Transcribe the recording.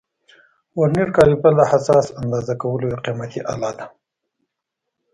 ورنیز کالیپر د حساس اندازه کولو یو قیمتي آله ده.